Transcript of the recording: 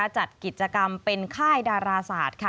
จัดกิจกรรมเป็นค่ายดาราศาสตร์